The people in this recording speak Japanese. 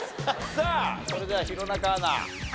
さあそれでは弘中アナ。